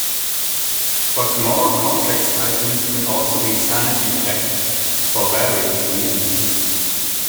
But more complex items can also be sanity-checked for various reasons.